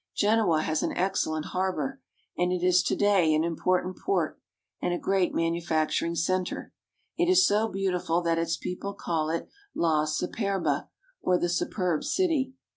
Genoa has an excellent harbor, and it is to day an im portant port and a great manufacturing center. It is so beautiful that its people call it "La Superba," or the superb city.